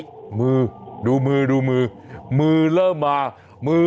ถูกดูนี่มีอะไร